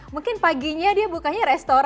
mungkin paginya dia bukanya restoran